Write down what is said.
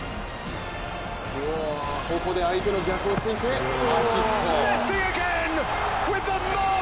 ここで相手の逆を突いてアシスト。